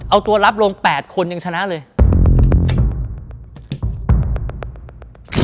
เอาตัวรับลง๘คนยังชนะเลย